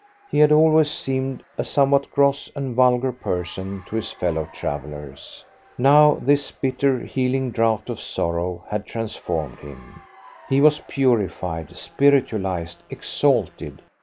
He had always seemed a somewhat gross and vulgar person to his fellow travellers. Now, this bitter healing draught of sorrow had transformed him. He was purified, spiritualised, exalted.